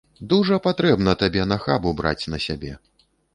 Дужа патрэбна табе нахабу браць на сябе!